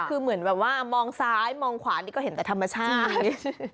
คือเหมือนแบบว่ามองซ้ายมองขวานี่ก็เห็นแต่ธรรมชาติ